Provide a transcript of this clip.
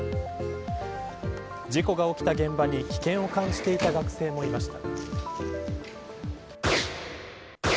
事故が起きた現場に危険を感じていた学生もいました。